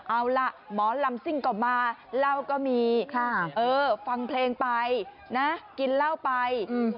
เอาล่ะหมอลำซิ่งก็มาเล่าก็มีฟังเพลงไปนะกินเหล้าไป